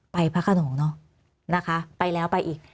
พระขนงเนอะนะคะไปแล้วไปอีก